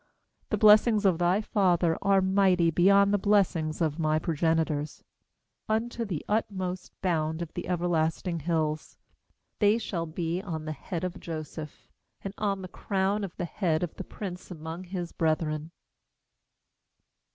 26The blessings of thy father Are mighty beyond the blessings of my progenitors b From the Heb. root gadad. 62 GENESIS 50 15 Unto the utmost bound of the ever lasting hills; They shall be on the head of Joseph, And on the crown of the head of the prince among his brethren.